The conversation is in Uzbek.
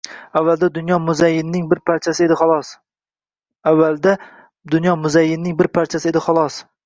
Avvalda dunyo muzayyanning bir parchasi edi xolos.